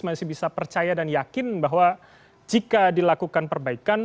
masih bisa percaya dan yakin bahwa jika dilakukan perbaikan